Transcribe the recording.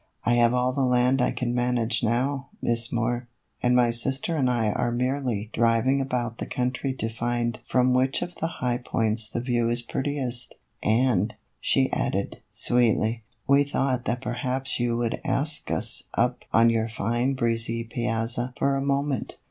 " I have all the land I can manage now, Miss Moore, and my sister and I are merely driving about the country to find from which of the high points the view is prettiest, and," she added, sweetly, " we thought that perhaps you would ask us up on your fine breezy piazza for a moment."